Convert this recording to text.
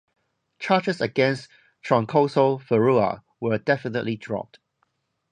Charges against Troncoso Ferrua were definitely dropped.